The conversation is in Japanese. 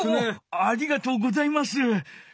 ありがとうございます。